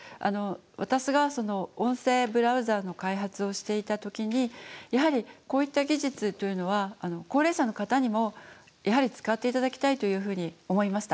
私がその音声ブラウザーの開発をしていた時にやはりこういった技術というのは高齢者の方にもやはり使って頂きたいというふうに思いました。